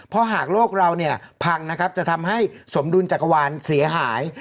เพราะหากโลกเราเนี่ยพังนะครับจะทำให้สมดุลจักรวาลเสียหาย